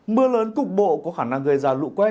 mưa lớn cục bộ có khả năng gây ra lũ quét